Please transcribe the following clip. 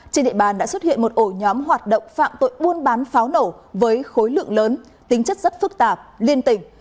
trên địa bàn đã xuất hiện một ổ nhóm hoạt động phạm tội buôn bán pháo nổ với khối lượng lớn tính chất rất phức tạp liên tỉnh